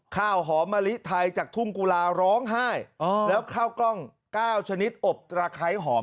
ข้าวหอมมะลิไทยจากทุ่งกุลาร้องไห้แล้วข้าวกล้อง๙ชนิดอบตระไคร้หอม